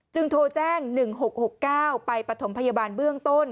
โทรแจ้ง๑๖๖๙ไปปฐมพยาบาลเบื้องต้น